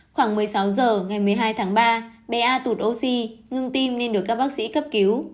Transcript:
khoảng một mươi sáu h ngày một mươi hai tháng ba bé a tụt oxy ngưng tim nên được các bác sĩ cấp cứu